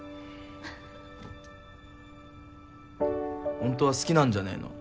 ほんとは好きなんじゃねぇの？